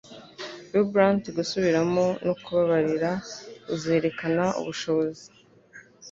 Vibrant gusubiramo no kubabarira uzerekana. ubushobozi